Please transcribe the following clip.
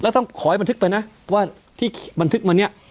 แล้วต้องขอให้บันทึกไปนะว่าที่บันทึกมาเนี่ย